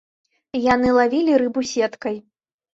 Яны лавілі рыбу сеткай.